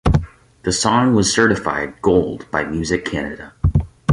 The song was certified Gold by Music Canada.